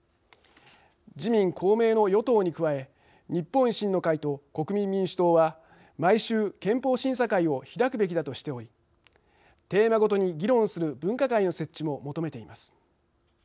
自民・公明の与党に加え日本維新の会と国民民主党は毎週憲法審査会を開くべきだとしておりテーマごとに議論する分科会の設置も求めています。